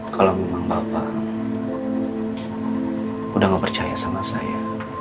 kalau memang bapak udah ngepercaya sama saya